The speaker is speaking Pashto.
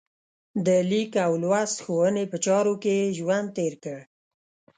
د لیک او لوست ښوونې په چارو کې یې ژوند تېر کړ.